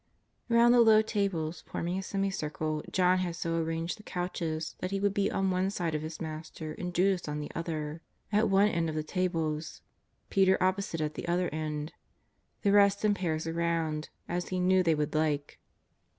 Pound the low tables, forming a semi cir cle, John had so arranged the couches that he would be on one side of his Master and Judas on the other, at one end of the tables, Peter opposite at the other snd, the rest in pairs around, as he knew they would like.